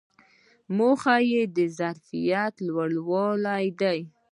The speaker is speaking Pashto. موخه یې د ظرفیت لوړول دي.